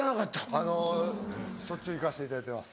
あのしゅっちゅう行かせていただいてます。